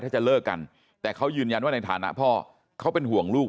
ถ้าจะเลิกกันแต่เขายืนยันว่าในฐานะพ่อเขาเป็นห่วงลูก